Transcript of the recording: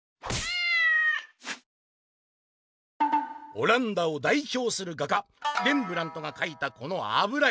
「オランダをだいひょうする画家レンブラントが描いたこのあぶら絵！